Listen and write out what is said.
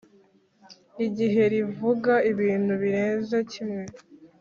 igihe rivuga ibintu birenze kimwe